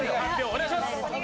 お願いします。